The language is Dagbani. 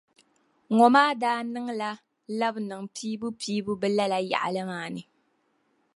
Ŋɔ maa daa niŋ la labi-niŋ piibu-piibu bɛ lala yaɣili maa.